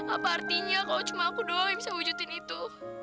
apa artinya kalau cuma aku doang yang bisa wujudkan itu